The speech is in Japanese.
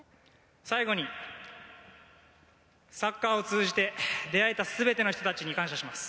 最後にサッカーを通じて出会えた全ての人たちに感謝します。